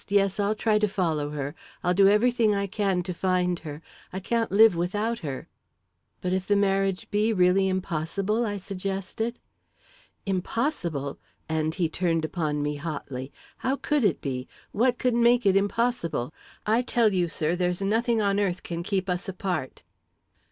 "Yes, I'll try to follow her. I'll do everything I can to find her. I can't live without her!" "But if the marriage be really impossible?" I suggested. "Impossible!" and he turned upon me hotly. "How could it be? What could make it impossible? I tell you, sir, there's nothing on earth can keep us apart."